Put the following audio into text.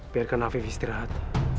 biarkan afif istirahat